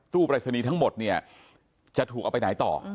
ปรายศนีย์ทั้งหมดเนี่ยจะถูกเอาไปไหนต่อ